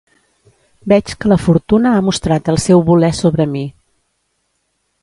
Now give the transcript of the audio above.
Veig que la fortuna ha mostrat el seu voler sobre mi.